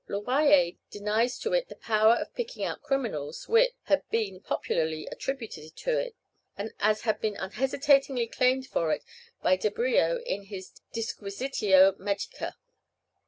Le Royer denies to it the power of picking out criminals, which had been popularly attributed to it, and as had been unhesitatingly claimed for it by Debrio in his "Disquisitio Magica."